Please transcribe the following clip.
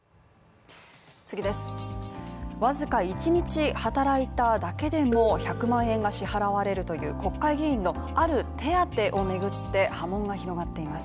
わずか１日働いただけでも１００万円が支払われるという国会議員のある手当をめぐって、波紋が広がっています。